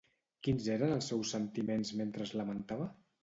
Quins eren els seus sentiments mentre es lamentava?